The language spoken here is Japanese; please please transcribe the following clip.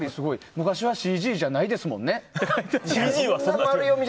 昔はＣＧじゃないですもんね。